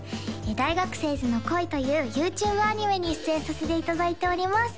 「大学生ズの恋。」というＹｏｕＴｕｂｅアニメに出演させていただいております